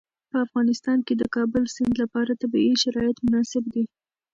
په افغانستان کې د د کابل سیند لپاره طبیعي شرایط مناسب دي.